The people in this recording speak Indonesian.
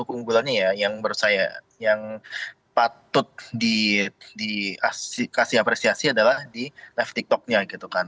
keunggulannya ya yang menurut saya yang patut dikasih apresiasi adalah di live tiktoknya gitu kan